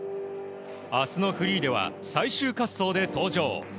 あすのフリーでは、最終滑走で登場。